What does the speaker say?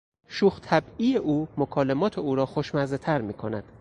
شوخ طبعی او مکالمات او را خوشمزهتر میکند.